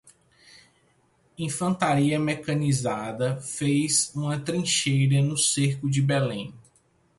Infantaria mecanizada fez uma trincheira no cerco de Belém